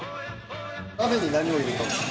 鍋に何を入れたんですか？